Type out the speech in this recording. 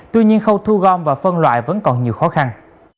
tuy nhiên khâu thu gom và phân loại vẫn còn nhiều khó khăn